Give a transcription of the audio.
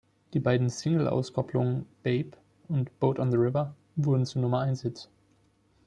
Die beiden Single-Auskopplungen "Babe" und "Boat on the River" wurden zu Nummer-eins-Hits.